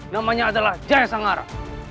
namanya adalah jaya sangara